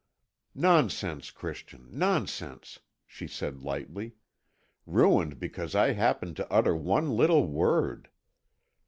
"Nonsense, Christian, nonsense," she said lightly; "ruined because I happened to utter one little word!